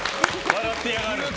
笑ってやがる。